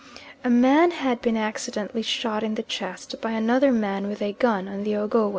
A man had been accidentally shot in the chest by another man with a gun on the Ogowe.